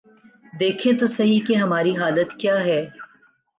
دیکھیں تو سہی کہ ہماری حالت کیا ہے۔